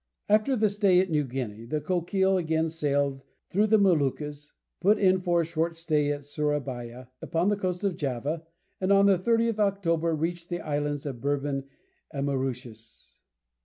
After the stay at New Guinea, the Coquille again sailed through the Moluccas, put in for a short time at Sourabaya, upon the coast of Java, and on the 30th October reached the islands of Bourbon and Mauritius.